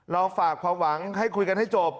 เราฝากความหวังให้คุยกันให้จบ